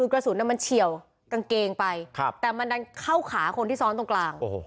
กระสุนมันเฉียวกางเกงไปแต่มันดันเข้าขาคนที่ซ้อนตรงกลาง